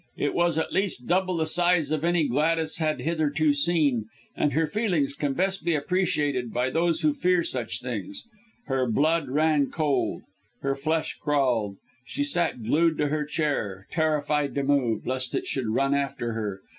It was at least double the size of any Gladys had hitherto seen, and her feelings can best be appreciated by those who fear such things her blood ran cold, her flesh crawled, she sat glued to her chair, terrified to move, lest it should run after her.